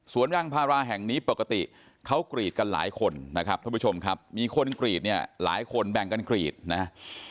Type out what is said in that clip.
ยางพาราแห่งนี้ปกติเขากรีดกันหลายคนนะครับท่านผู้ชมครับมีคนกรีดเนี่ยหลายคนแบ่งกันกรีดนะฮะ